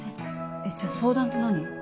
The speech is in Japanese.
えっじゃあ相談って何？